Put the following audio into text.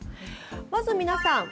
まず皆さん